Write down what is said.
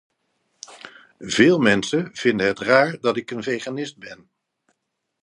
Veel mensen vinden het raar dat ik een veganist ben.